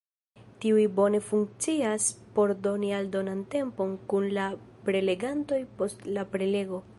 Tiuj bone funkcias por doni aldonan tempon kun la prelegantoj post la prelego.